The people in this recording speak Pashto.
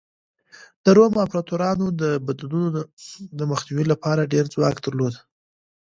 د روم امپراتورانو د بدلونونو د مخنیوي لپاره ډېر ځواک درلود